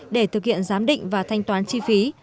để thực hiện giám định và thanh toán chi phí